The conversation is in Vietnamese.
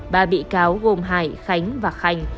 ba bị cáo gồm hải khánh và khánh